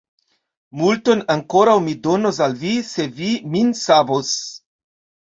Multon ankoraŭ mi donos al vi, se vi min savos!